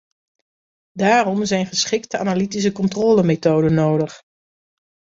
Daarom zijn geschikte analytische controlemethoden nodig.